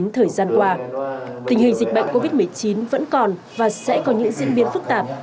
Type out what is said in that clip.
thời gian qua tình hình dịch bệnh covid một mươi chín vẫn còn và sẽ có những diễn biến phức tạp